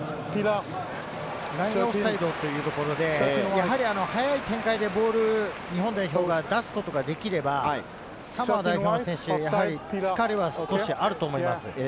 ラインオフサイドというところで、早い展開で日本代表が出すことができればサモア代表の選手、疲れは少しあると思います。